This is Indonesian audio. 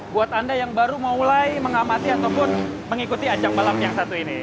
buat anda yang baru mau mulai mengamati ataupun mengikuti ajang balap yang satu ini